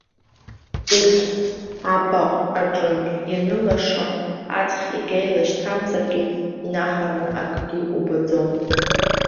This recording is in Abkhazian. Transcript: Урҭ абаҟә аҿынтә ианылашо, аҵх егьа илашьцамзаргьы, инахараны акгьы убаӡом.